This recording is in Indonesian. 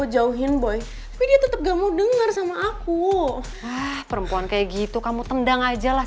jauhin boy tapi dia tetep gak mau dengar sama aku ah perempuan kayak gitu kamu tendang ajalah